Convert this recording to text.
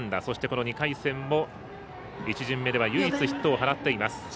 そして、２回戦も１巡目では唯一ヒットを放っています。